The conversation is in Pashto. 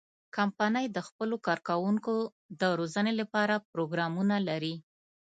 کمپنۍ د خپلو کارکوونکو د روزنې لپاره پروګرامونه لري.